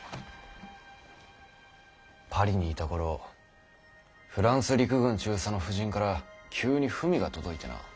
パリにいた頃フランス陸軍中佐の婦人から急に文が届いてな。